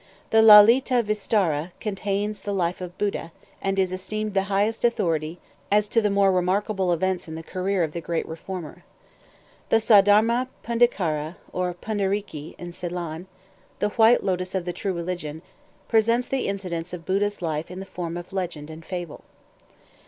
The "Lalita Vistara" contains the life of Buddha, and is esteemed the highest authority as to the more remarkable events in the career of the great reformer. The "Saddharma pundikara" (or pundariki in Ceylon), "The White Lotos of the True Religion," presents the incidents of Buddha's life in the form of legend and fable.